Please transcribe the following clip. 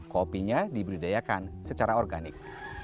kopinya diberdayakan secara organik